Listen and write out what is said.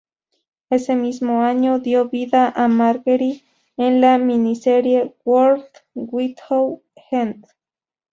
Ese mismo año dio vida a Margery en la miniserie "World Without End".